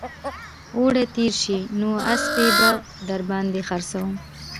اوړي تېر شي نو اسپې به در باندې خرڅوم